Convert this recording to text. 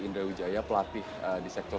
indra wijaya pelatih di sektor